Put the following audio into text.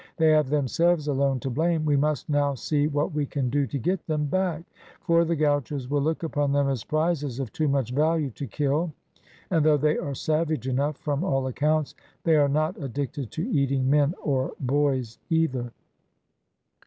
"They have themselves alone to blame. We must now see what we can do to get them back, for the gauchos will look upon them as prizes of too much value to kill, and though they are savage enough, from all accounts, they are not addicted to eating men or boys either."